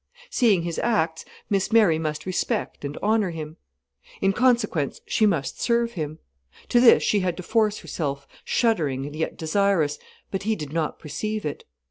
Seeing his acts, Miss Mary must respect and honour him. In consequence she must serve him. To this she had to force herself, shuddering and yet desirous, but he did not perceive it.